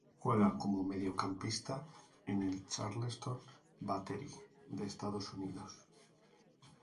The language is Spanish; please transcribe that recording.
Juega como mediocampista en el Charleston Battery de Estados Unidos.